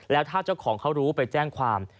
แล้วถ้าเจ้าของเขารู้ไปแจ้งความ